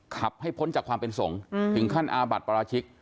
ขับให้พ้นจากความเป็นสงฆ์ถึงขั้นอาบัติปราชิก